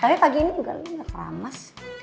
tapi pagi ini juga lo gak terlalu amas